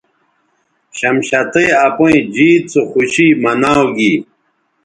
شمشتئ اپئیں جیت سو خوشی مناؤ گی